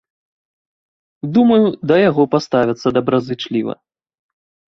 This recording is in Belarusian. Думаю, да яго паставяцца добразычліва.